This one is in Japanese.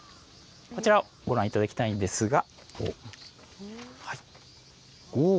こちらをご覧頂きたいんですが。